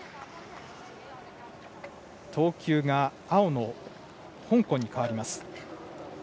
投球が青の香港に代わります。